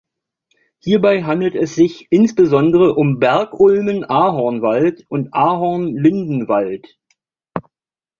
Hierbei handelt es sich insbesondere um Bergulmen-Ahornwald und Ahorn-Lindenwald.